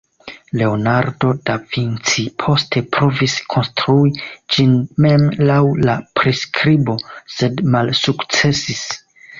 Leonardo da Vinci poste provis konstrui ĝin mem laŭ la priskribo, sed malsukcesis.